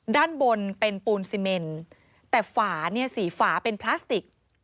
ด้านบนเป็นปูนซีเมนแต่ฝาเนี่ยสี่ฝาเป็นพลาสติก